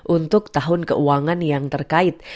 untuk tahun keuangan yang terkait